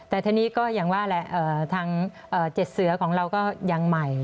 แต่ทีนี้ก็อย่างว่าแหละทาง๗เสือของเราก็ยังใหม่